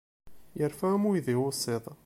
Yerfa am uydi ussiḍ.